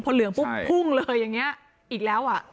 พอเหลืองปุ๊บพุ่งเลยอย่างนี้อีกแล้วอ่ะ